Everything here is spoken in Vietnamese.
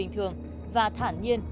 ảnh hưởng gì lên